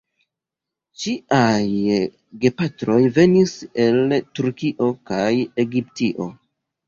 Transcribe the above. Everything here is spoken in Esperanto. Ŝiaj gepatroj venis el Turkio kaj Egiptio.